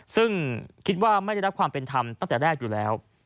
ซึ่งคิดว่าไม่ได้รับความเป็นธรรมตั้งแต่แรกอยู่แล้ว